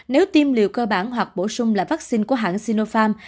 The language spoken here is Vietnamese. nếu tiêm liều cơ bản hoặc bổ sung là vaccine của hãng sinopharm